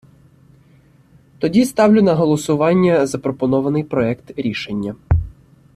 Тоді ставлю на голосування запропонований проект рішення!